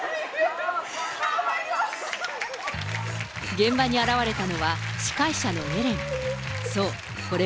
現場に現れたのは司会者のエレン。